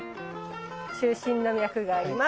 中心の脈があります。